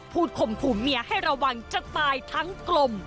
ข่มขู่เมียให้ระวังจะตายทั้งกลม